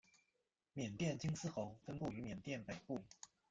缅甸金丝猴分布于缅甸北部。